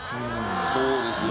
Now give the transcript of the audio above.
そうですよね。